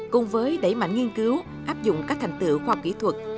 cùng với đẩy mạnh nghiên cứu áp dụng các thành tựu khoa học kỹ thuật